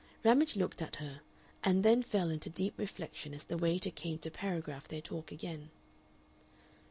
Ramage looked at her, and then fell into deep reflection as the waiter came to paragraph their talk again.